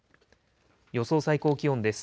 予想最高気温です。